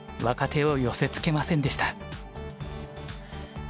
若手を寄せつけませんでした。